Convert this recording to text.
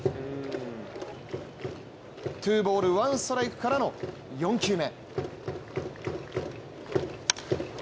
ツーボールワンストライクからの４球目。